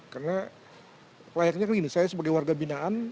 karena layaknya kayak gini saya sebagai warga binaan